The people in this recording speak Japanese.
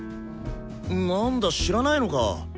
なんだ知らないのか。